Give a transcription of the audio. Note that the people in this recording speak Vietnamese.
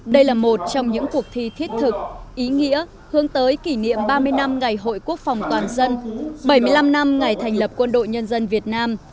đây là một trong những cuộc thi thiết thực ý nghĩa hướng tới kỷ niệm ba mươi năm ngày hội quốc phòng toàn dân bảy mươi năm năm ngày thành lập quân đội nhân dân việt nam